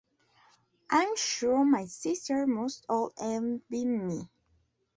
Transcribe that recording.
I am sure my sisters must all envy me.